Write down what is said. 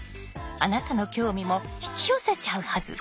あなたの興味も引き寄せちゃうはず。